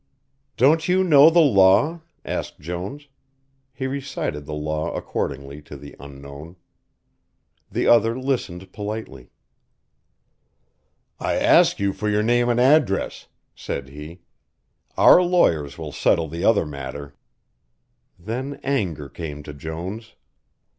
"Don't you know the law?" asked Jones. He recited the law accordingly, to the Unknown. The other listened politely. "I ask you for your name and address," said he. "Our lawyers will settle the other matter." Then anger came to Jones.